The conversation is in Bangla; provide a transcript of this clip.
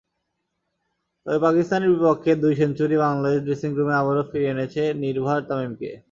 তবে পাকিস্তানের বিপক্ষে দুই সেঞ্চুরি বাংলাদেশ ড্রেসিংরুমে আবারও ফিরিয়ে এনেছে নির্ভার তামিমকে।